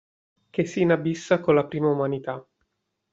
Che s'inabissa con la prima umanità.